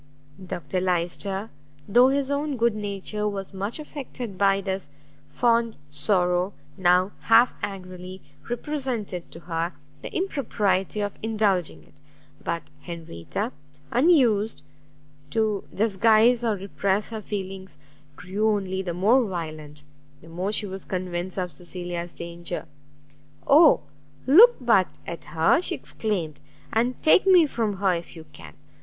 Dr Lyster, though his own good nature was much affected by this fond sorrow, now half angrily represented to her the impropriety of indulging it: but Henrietta, unused to disguise or repress her feelings, grew only the more violent, the more she was convinced of Cecilia's danger: "Oh look but at her," she exclaimed, "and take me from her if you can!